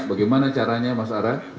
bagaimana caranya mas ara